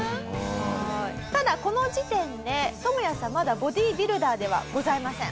ただこの時点でトモヤさんまだボディビルダーではございません。